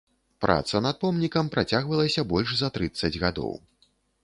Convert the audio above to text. Праца над помнікам працягвалася больш за трыццаць гадоў.